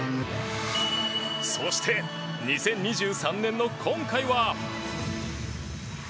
そして、２０２３年の今回は。